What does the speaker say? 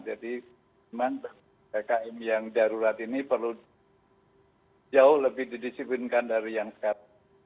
jadi memang km yang darurat ini perlu jauh lebih didisiplinkan dari yang sekarang